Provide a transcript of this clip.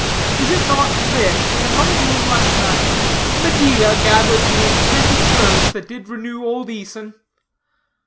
Is it not writ, that on a moonlight night, "Medea gathered the enchanted herbs That did renew old Æson?"